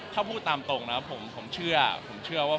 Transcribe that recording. ถ้าพูดตามตรงนะผมเชื่อว่า